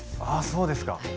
あそうですか。